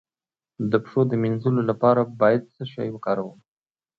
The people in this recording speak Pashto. د پښو د مینځلو لپاره باید څه شی وکاروم؟